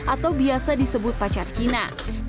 atau biasa disebut pacar cina